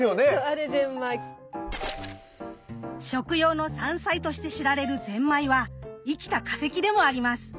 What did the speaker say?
食用の山菜として知られるゼンマイは生きた化石でもあります。